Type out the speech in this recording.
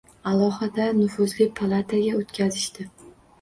Alohida nufuzli palataga o‘tqazishdi.